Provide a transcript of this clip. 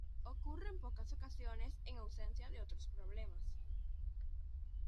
Ocurre en pocas ocasiones en ausencia de otros problemas.